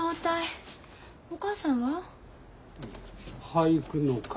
俳句の会。